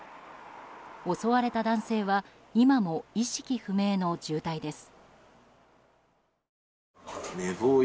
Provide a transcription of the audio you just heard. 襲われた男性は今も意識不明の重体です。